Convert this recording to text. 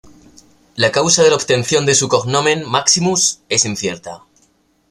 La causa de la obtención de su cognomen "Maximus" es incierta.